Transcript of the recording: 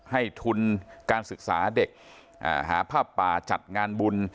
ให้ทุนการศึกษาเด็กหาผ้าป่าจัดงานบุญ